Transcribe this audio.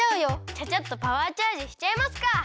ちゃちゃっとパワーチャージしちゃいますか！